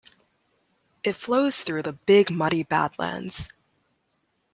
It flows through the Big Muddy Badlands.